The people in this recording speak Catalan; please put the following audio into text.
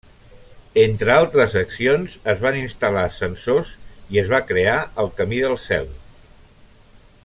Entre altres accions, es van instal·lar ascensors i es va crear el Camí del Cel.